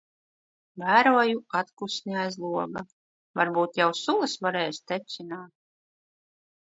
Vēroju atkusni aiz loga. Varbūt jau sulas varēs tecināt... ?